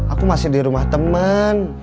aku masih di rumah teman